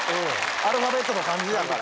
アルファベットと漢字やから。